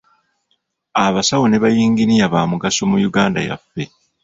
Abasawo ne bayinginiya baamugaso mu Uganda yaffe.